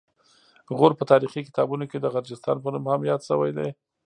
غور په تاریخي کتابونو کې د غرجستان په نوم هم یاد شوی دی